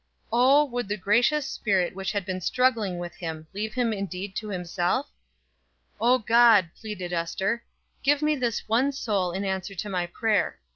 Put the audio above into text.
Oh, would the gracious Spirit which had been struggling with him leave him indeed to himself? "O God," pleaded Ester, "give me this one soul in answer to my prayer.